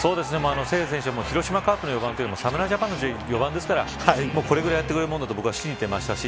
誠也選手は広島カープの４番というより侍ジャパンの４番ですからこれくらいやってくれると信じていました。